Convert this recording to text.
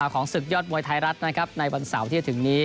ของศึกยอดมวยไทยรัฐนะครับในวันเสาร์ที่จะถึงนี้